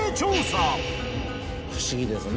不思議ですね